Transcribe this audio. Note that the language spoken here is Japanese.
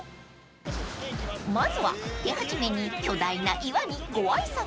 ［まずは手始めに巨大な岩にご挨拶］